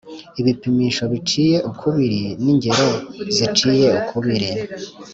ibipimisho biciye ukubiri n’ingero ziciye ukubiri